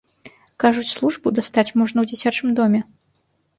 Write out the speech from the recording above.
Кажуць, службу дастаць можна ў дзіцячым доме.